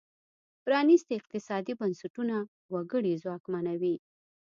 پرانیستي اقتصادي بنسټونه وګړي ځواکمنوي.